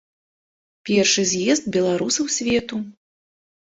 Першы з'езд беларусаў свету.